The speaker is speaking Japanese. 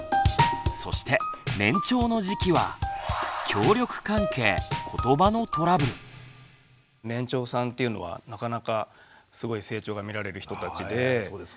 そして年長の時期は年長さんっていうのはなかなかすごい成長が見られる人たちで。